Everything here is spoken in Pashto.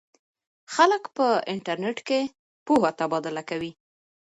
خلک په انټرنیټ کې پوهه تبادله کوي.